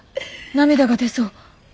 涙が出そう。